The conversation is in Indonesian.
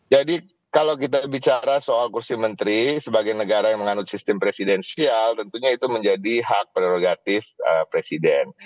jadi kalau kita bicara soal kursi menteri sebagai negara yang menganut sistem presidensial tentunya itu menjadi hak prerogatif presiden